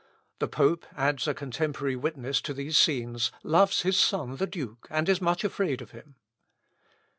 "The pope," adds a contemporary witness to these scenes, "loves his son the Duke, and is much afraid of him."